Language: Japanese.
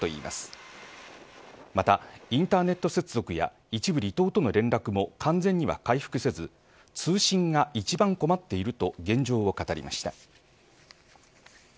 またインターネット接続や一部離島との連絡も完全には回復せず通信が一番困っていると現状を語りました。